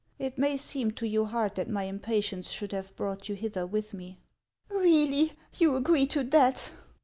It may seem to you hard that my impatience should have brought you hither with rue." " Really, you agree to that